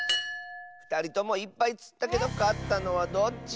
ふたりともいっぱいつったけどかったのはどっち？